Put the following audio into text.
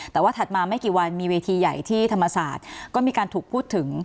แต่ว่าถัดมาไม่กี่วันมีเวทีใหญ่ที่ธรรมศาสตร์ก็มีการถูกพูดถึง